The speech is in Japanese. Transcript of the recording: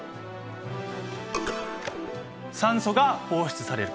酸素が放出される。